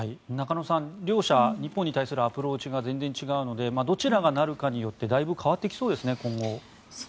中野さん両者、日本に対するアプローチが全然違うのでどちらがなるかによってだいぶ今後変わってきそうですね。